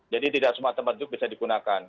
jadi tidak semua tempat duduk bisa di gunakan